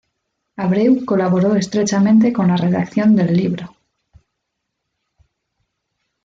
Abreu colaboró estrechamente con la redacción del libro.